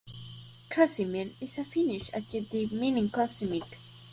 "Kosminen" is a Finnish adjective meaning "cosmic".